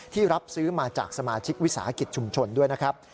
รับซื้อมาจากสมาชิกวิสาหกิจชุมชนด้วยนะครับ